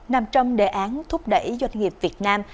nằm trong đề án thúc đẩy doanh nghiệp việt nam